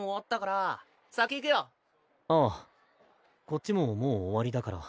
こっちももう終わりだから。